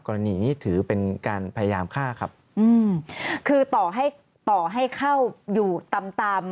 กรณีนี้ถือเป็นการพยายามฆ่าครับอืมคือต่อให้ต่อให้เข้าอยู่ตามตาม